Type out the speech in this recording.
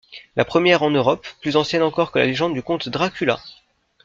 La première en Europe, plus ancienne encore que la legende du comte Dracula.